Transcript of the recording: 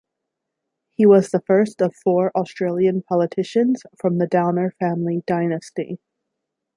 He was the first of four Australian politicians from the Downer family dynasty.